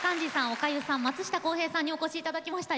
おかゆさん、松下洸平さんにお越しいただきました。